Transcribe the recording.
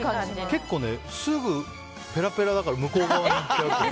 結構、すぐペラペラだから向こう側に行っちゃうとか。